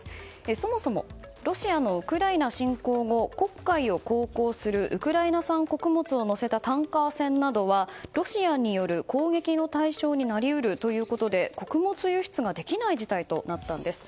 そもそも、ロシアのウクライナ侵攻後黒海を航行するウクライナ産穀物を載せたタンカー船などはロシアによる攻撃の対象になり得るということで穀物輸出ができない事態となったんです。